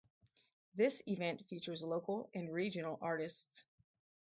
This event features local and regional artists.